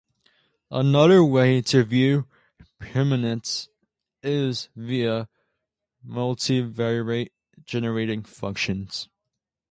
Another way to view permanents is via multivariate generating functions.